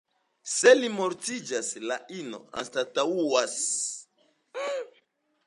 Se li mortiĝas, la ino anstataŭas.